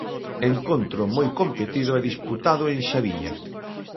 Encontro moi competido e disputado en Xaviña.